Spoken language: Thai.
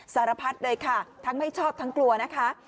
สารพัดเลยค่ะทั้งไม่ชอบทั้งกลัวนะคะ